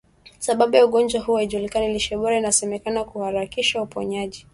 Sababu ya ugonjwa huu haijulikani lishe bora inasemekana kuharakisha uponyaji